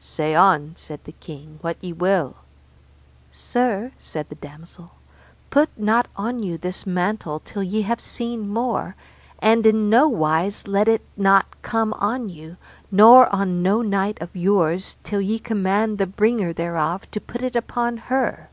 Say on, said the king, what ye will. Sir, said the damosel, put not on you this mantle till ye have seen more, and in no wise let it not come on you, nor on no knight of yours, till ye command the bringer thereof to put it upon her.